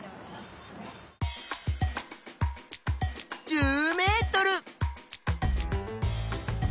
１０ｍ！